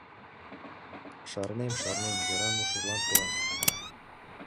Шарнем, шарнем, — Веран ушыжлан пура.